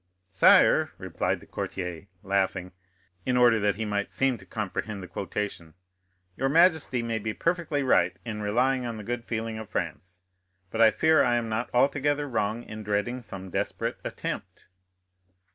"Sire," replied the courtier, laughing, in order that he might seem to comprehend the quotation, "your majesty may be perfectly right in relying on the good feeling of France, but I fear I am not altogether wrong in dreading some desperate attempt."